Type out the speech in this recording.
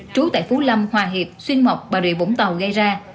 trú tại phú lâm hòa hiệp xuyên mộc bà rịa vũng tàu gây ra